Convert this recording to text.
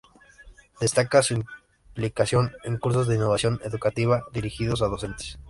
Destaca su implicación en cursos de innovación educativa, dirigidos a docentes.